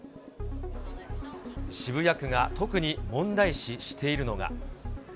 渋谷区が特に問題視しているのが。